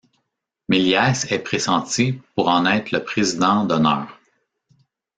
Méliès est pressenti pour en être le président d’honneur.